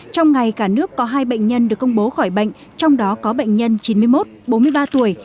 trong ngày cả nước có hai bệnh nhân được công bố khỏi bệnh trong đó có bệnh nhân chín mươi một bốn mươi ba tuổi